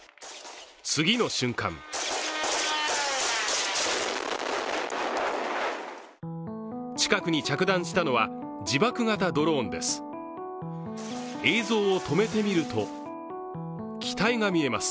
次の瞬間近くに着弾したのは自爆型ドローンです。